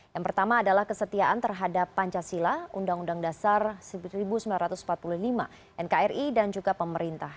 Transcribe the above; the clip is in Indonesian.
yang pertama adalah kesetiaan terhadap pancasila undang undang dasar seribu sembilan ratus empat puluh lima nkri dan juga pemerintah